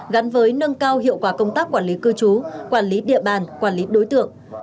gắn với nâng cao hiệu quả công tác quản lý cư trú quản lý địa bàn quản lý đối tượng